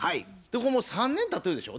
これもう３年たってるでしょ。